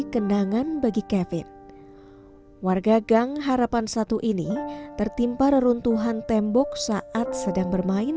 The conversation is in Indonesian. kenangan bagi kevin warga gang harapan satu ini tertimpa reruntuhan tembok saat sedang bermain